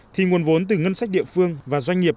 thì nguồn vốn từ ngân sách địa phương và doanh nghiệp